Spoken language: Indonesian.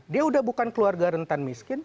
dia udah bukan keluarga rentan miskin